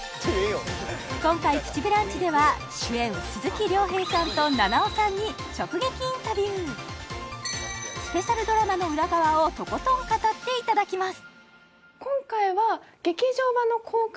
今回「プチブランチ」では主演鈴木亮平さんと菜々緒さんにスペシャルドラマのウラ側をとことん語っていただきます